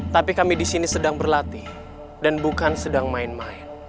tapi kami di sini sedang berlatih dan bukan sedang main main